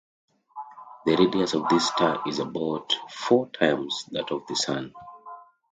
The radius of this star is about four times that of the Sun.